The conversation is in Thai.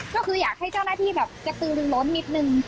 ก็คืออยากให้เจ้าหน้าที่แบบกระตือล้นนิดนึง